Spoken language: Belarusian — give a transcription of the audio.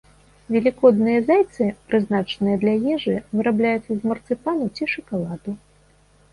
Велікодныя зайцы, прызначаныя для ежы, вырабляюцца з марцыпану ці шакаладу.